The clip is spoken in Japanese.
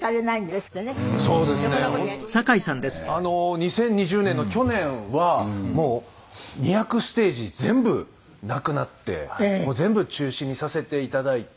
本当にあの２０２０年の去年はもう２００ステージ全部なくなってもう全部中止にさせていただいて。